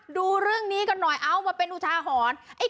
ดูเรื่องนี้กันหน่อยเอามาเป็นอุทาหรณ์